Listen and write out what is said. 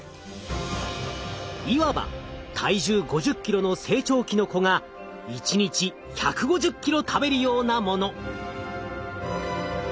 いわば体重５０ｋｇの成長期の子が１日１５０ｋｇ食べるようなもの。